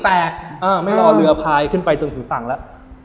สแม่งแตกไม่รอเรือพลายขึ้นไปจนสูงฝั่งและ